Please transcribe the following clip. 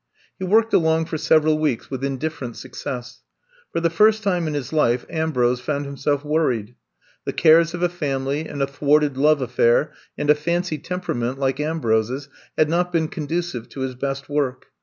He worked along for several weeks with indifferent success. Far the first time in his life Ambrose found himself worried. The cares of a family, and a thwarted love affair, and a fancy temperament like Am brose's had not been conducive to his best work.